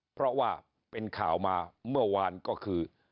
เพราะว่าเป็นข่าวมาเมื่อวานก็คือ